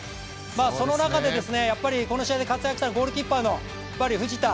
その中でこの試合で活躍したのはゴールキーパーの藤田